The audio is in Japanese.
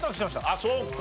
あっそうか。